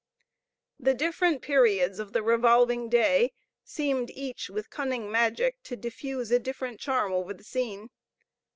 The different periods of the revolving day seemed each, with cunning magic, to diffuse a different charm over the scene.